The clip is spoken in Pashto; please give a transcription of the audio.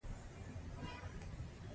مینوټ د صادر شوي مکتوب کاپي ده.